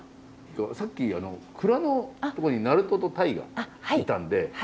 さっき蔵の所に鳴門とタイがいたんで。